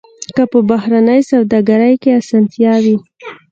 که په بهرنۍ سوداګرۍ کې اسانتیا وي.